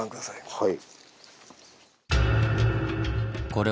はい。